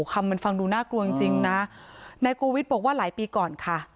คำมันฟังดูน่ากลัวจริงจริงนะนายโกวิทย์บอกว่าหลายปีก่อนค่ะ